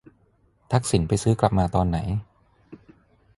ทักษิณไปซื้อกลับมาตอนไหน ?